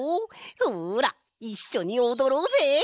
ほらいっしょにおどろうぜ！